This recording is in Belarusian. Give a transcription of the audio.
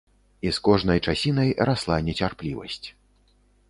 І з кожнай часінай расла нецярплівасць.